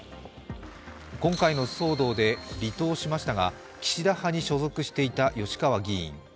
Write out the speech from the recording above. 今回の騒動で離党しましたが、岸田派に所属していた吉川議員。